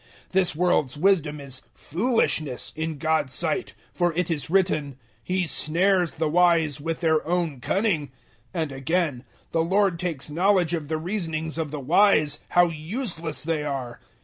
003:019 This world's wisdom is "foolishness" in God's sight; for it is written, "He snares the wise with their own cunning." 003:020 And again, "The Lord takes knowledge of the reasonings of the wise how useless they are."